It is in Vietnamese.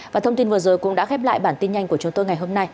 và thông tin vừa rồi cũng đã khép lại bản tin nhanh của chúng tôi ngày hôm nay